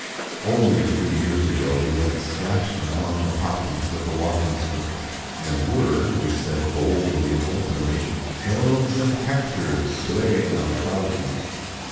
Only a few years ago we went slashing among the poppies with a walking stick, and were, we said boldly and openly, Harolds and Hectors slaying our thousands.